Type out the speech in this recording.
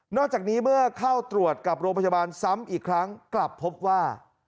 จากนี้เมื่อเข้าตรวจกับโรงพยาบาลซ้ำอีกครั้งกลับพบว่า